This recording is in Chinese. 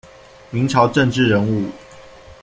明朝政治人物。